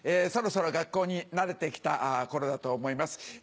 そろそろ学校に慣れて来た頃だと思います。